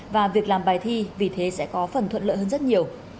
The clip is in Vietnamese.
và việc làm bài thi vì thế sẽ có phần thuận lợi hơn rất nhiều